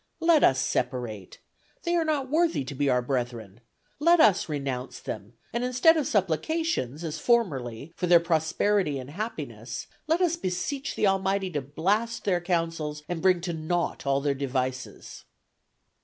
Let us separate. They are not worthy to be our brethren. Let us renounce them, and instead of supplications, as formerly, for their prosperity and happiness, let us beseech the Almighty to blast their counsels and bring to naught all their devices."